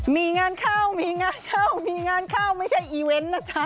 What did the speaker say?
มีงานเข้ามีงานเข้ามีงานเข้าไม่ใช่อีเวนต์นะจ๊ะ